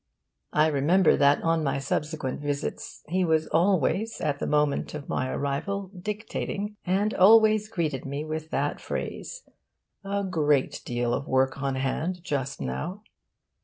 '... I remember that on my subsequent visits he was always, at the moment of my arrival, dictating, and always greeted me with that phrase, 'A great deal of work on hand just now.